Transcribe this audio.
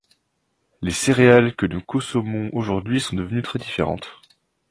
Les céréales que nous consommons aujourd'hui sont devenues très différentes.